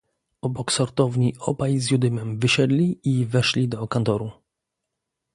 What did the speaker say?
"Obok sortowni obaj z Judymem wysiedli i weszli do kantoru."